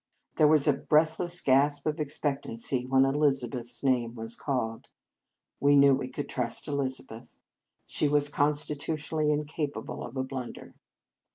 There was a breathless gasp of ex pectancy when Elizabeth s name was called. We knew we could trust Eliz abeth. She was constitutionally in capable of a blunder.